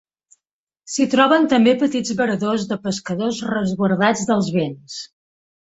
S'hi troben també petits varadors de pescadors resguardats dels vents.